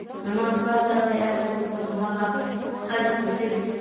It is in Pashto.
زما سوال دادی: ایا تراوسه مو هغه خلک لیدلي.